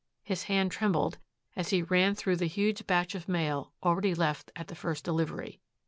His hand trembled as he ran through the huge batch of mail already left at the first delivery.